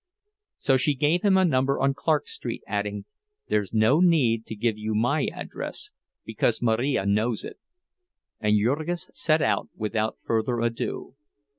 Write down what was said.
So she gave him a number on Clark Street, adding, "There's no need to give you my address, because Marija knows it." And Jurgis set out, without further ado.